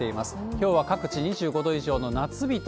きょうは各地２５度以上の夏日と